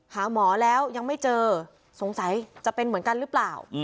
หาหมอแล้วยังไม่เจอสงสัยจะเป็นเหมือนกันหรือเปล่า